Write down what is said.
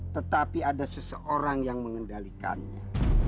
tetapi ada seseorang yang mengendalikannya